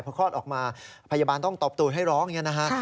พอคลอดออกมาพยาบาลต้องตอบตูนให้ร้องอย่างนี้นะฮะ